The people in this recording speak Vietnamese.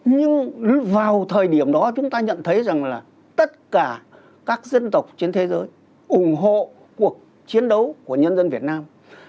nhưng vào thời điểm đó chúng ta nhận thấy rằng là tất cả các dân tộc trên thế giới ủng hộ cuộc chiến đấu của nhân dân việt nam